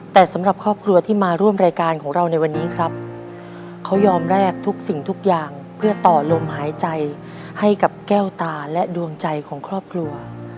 แต่สำหรับครอบครัวที่มาร่วมรายการของเราในวันนี้ครับเขายอมแลกทุกสิ่งทุกอย่างเพื่อต่อลมหายใจให้กับแก้วตาและดวงใจของครอบครัว